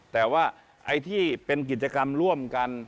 แต่ว่าไอ้ที่เป็นกิจกรรมร่วมกัน